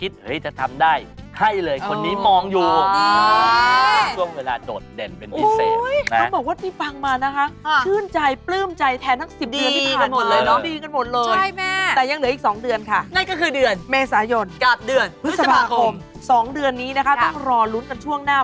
เมษายนกลับเดือนพฤศพคม๒เดือนนี้นะคะต้องรอรุ้นกันช่วงหน้า